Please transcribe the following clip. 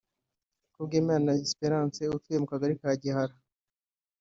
Kubwimana Esperance atuye mu Kagari ka Gihara